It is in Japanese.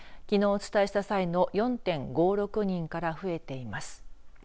きのうお伝えした際の４．５６人から増えています。